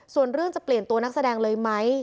ส่วนเรื่องจะเปลี่ยนตัวนักแสดงเลยไหม